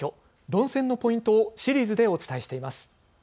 論戦のポイントをシリーズでお伝えしています。